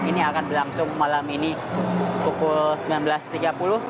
ini akan berlangsung malam ini pukul sembilan belas tiga puluh